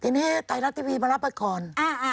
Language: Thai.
ทีนี้ไทยรัฐทีวีมารับไปก่อน